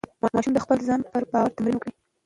ماشوم د خپل ځان پر باور تمرین وکړي.